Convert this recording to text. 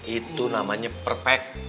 itu namanya perfect